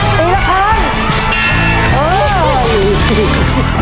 ใช่เรียกร้อยลูกไปติดแล้วพัง